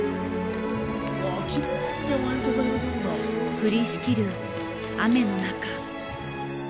降りしきる雨の中。